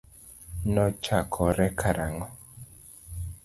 Nochakore karang'o?